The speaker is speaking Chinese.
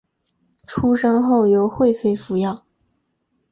出生后由惠妃抚养。